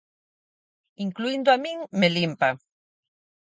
Incluíndo a min, me limpa!